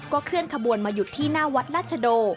เคลื่อนขบวนมาหยุดที่หน้าวัดราชโด